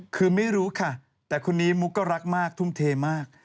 คือไม่รู้ค่ะแต่คนนี้มุกก็รักมากทุ่มเทมาก